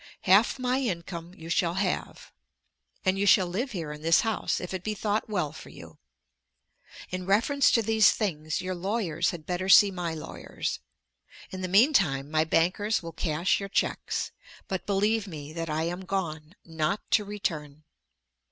Half my income you shall have, and you shall live here in this house if it be thought well for you. In reference to these things your lawyers had better see my lawyers. In the meantime my bankers will cash your cheques. But believe me that I am gone, not to return.